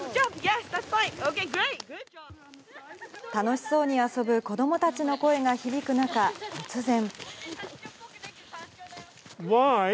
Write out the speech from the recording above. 楽しそうに遊ぶ子どもたちの声が響く中、突然。